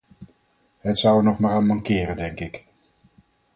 Het zou er nog maar aan mankeren, denk ik.